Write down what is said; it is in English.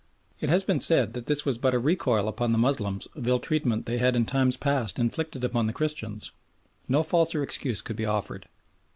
It has been said that this was but a recoil upon the Moslems of ill treatment they had in times past inflicted upon the Christians. No falser excuse could be offered.